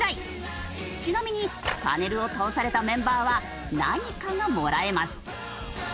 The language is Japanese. ちなみにパネルを倒されたメンバーは何かがもらえます。